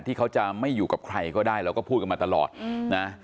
ที่เขาจะไม่อยู่กับใครก็ได้เราก็พูดกันมาตลอดนะ